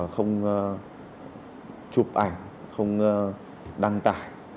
không chụp ảnh không đăng tải